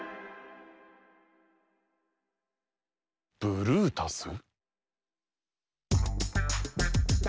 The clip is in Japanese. ブルータス。